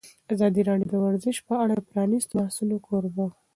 ازادي راډیو د ورزش په اړه د پرانیستو بحثونو کوربه وه.